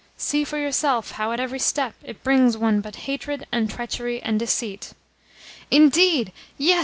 See for yourself how, at every step, it brings one but hatred and treachery and deceit." "Indeed, yes!"